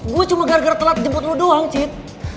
gue cuma gara gara telat jemput lo doang cit